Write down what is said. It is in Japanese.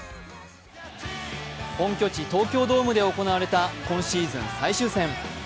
本拠地・東京ドームで行われた今シーズン最終戦。